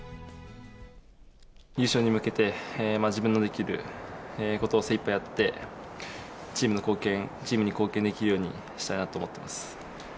優勝に向けて、自分のできることを精いっぱいやって、チームに貢献できるようにしたいなと思ってます。